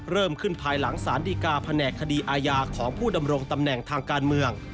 เริ่มขึ้นภายหลังสารดีกาแผนกคดีอาญาของผู้ดำรงตำแหน่งทางการเมือง